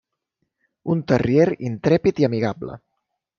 Un Terrier intrèpid i amigable.